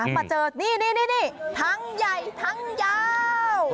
มาเจอนี่ทั้งใหญ่ทั้งยาว